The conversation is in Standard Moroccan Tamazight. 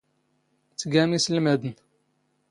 ⵜⴳⴰⵎ ⵉⵙⵍⵎⴰⴷⵏ.